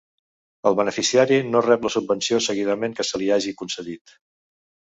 El beneficiari no rep la subvenció seguidament que se li hagi concedit.